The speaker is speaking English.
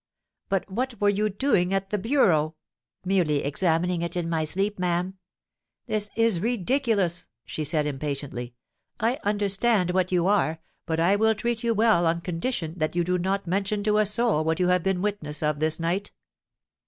'—'But what were you doing at the bureau?'—'Merely examining it in my sleep, ma'am.'—'This is ridiculous,' she said impatiently. 'I understand what you are; but I will treat you well on condition that you do not mention to a soul what you have been a witness of this night.'